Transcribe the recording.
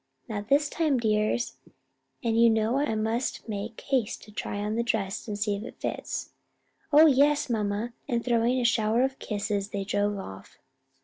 "Not this time, dears; and you know I must make haste to try on the dress, to see if it fits." "Oh, yes, mamma!" and throwing a shower of kisses, they drove off.